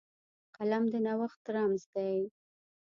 قلم د نوښت رمز دی